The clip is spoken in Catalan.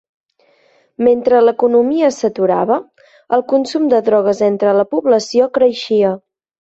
Mentre l'economia s'aturava, el consum de drogues entre la població creixia.